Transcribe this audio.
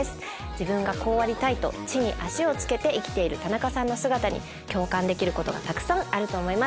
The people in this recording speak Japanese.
自分がこうありたい！と地に足を着けて生きている田中さんの姿に共感できることがたくさんあると思います。